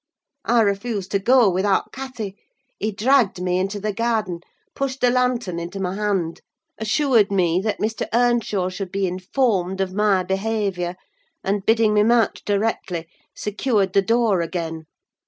I refused to go without Cathy; he dragged me into the garden, pushed the lantern into my hand, assured me that Mr. Earnshaw should be informed of my behaviour, and, bidding me march directly, secured the door again.